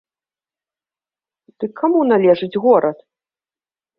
Дык каму належыць горад?